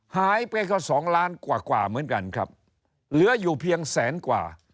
หายไปก็สองล้านกว่ากว่าเหมือนกันครับเหลืออยู่เพียงแสนกว่า